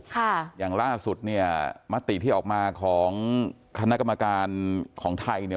อย่างล่าสุดเนี่ยมติที่ออกมาของคณะกรรมการของไทยเนี่ย